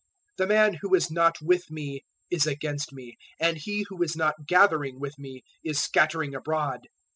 012:030 "The man who is not with me is against me, and he who is not gathering with me is scattering abroad.